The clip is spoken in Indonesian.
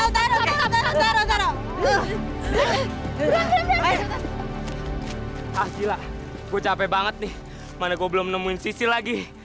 sampai jumpa di video selanjutnya